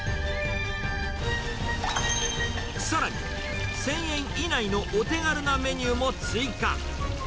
さらに１０００円以内のお手軽なメニューも追加。